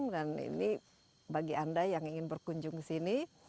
dan ini bagi anda yang ingin berkunjung ke sini